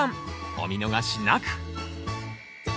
お見逃しなく。